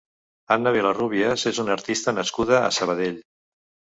Anna Vilarrubias és una artista nascuda a Sabadell.